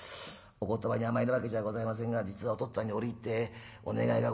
お言葉に甘えるわけじゃございませんが実はおとっつぁんに折り入ってお願いがございまして」。